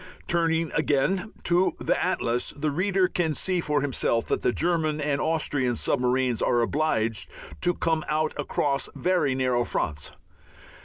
Turning again to the atlas the reader can see for himself that the German and Austrian submarines are obliged to come out across very narrow fronts.